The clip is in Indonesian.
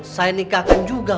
saya nikah juga